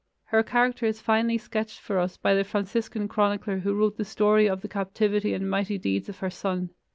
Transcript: Her character is finely sketched for us by the Franciscan chronicler who wrote the story of the captivity and mighty deeds of her son.